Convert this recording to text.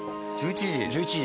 １１時？